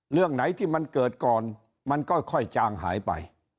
เรื่องไหนที่มันเกิดก่อนมันค่อยจางหายไป